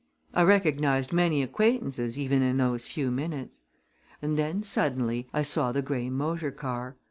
I recognized many acquaintances even in those few minutes. And then suddenly I saw the gray motor car.